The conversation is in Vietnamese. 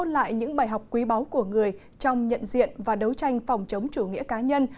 lại những bài học quý báu của người trong nhận diện và đấu tranh phòng chống chủ nghĩa cá nhân